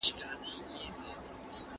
¬ څه چي کرې هغه به رېبې.